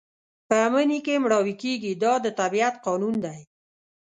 په مني کې مړاوي کېږي دا د طبیعت قانون دی.